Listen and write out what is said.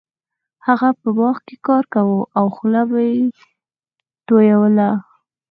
هغه په باغ کې کار کاوه او خوله یې تویوله.